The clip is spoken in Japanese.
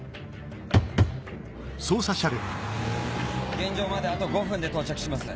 現場まであと５分で到着します。